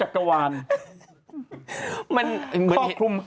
อันนั้นที่เรียกว่าเจ้าจักรวาล